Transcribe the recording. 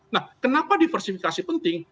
nah kenapa diversifikasi penting